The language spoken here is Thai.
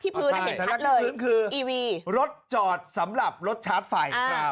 ที่พื้นเห็นทัดเลยทันลักษณ์ที่พื้นคือรถจอดสำหรับรถชาร์จไฟ